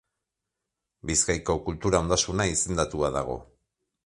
Bizkaiko kultura ondasuna izendatua dago.